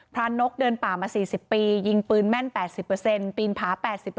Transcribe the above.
นกเดินป่ามา๔๐ปียิงปืนแม่น๘๐ปีนผา๘๐